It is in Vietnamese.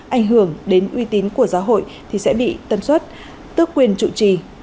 ảnh hưởng đến uy tín của giáo hội thì sẽ bị tân xuất tước quyền trụ trì